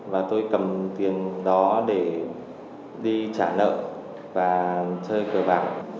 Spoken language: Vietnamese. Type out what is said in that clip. và tôi cầm tiền đó để đi trả nợ và chơi cờ bạc